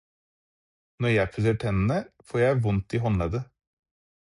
Når jeg pusser tennene får jeg vondt i håndleddet.